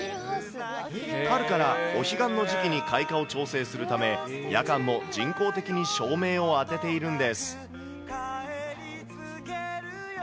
春からお彼岸の時期に開花を調整するため、夜間も人工的に照明を当てているんです。